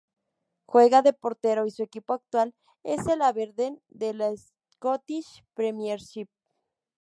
Juega de portero y su equipo actual es el Aberdeen de la Scottish Premiership.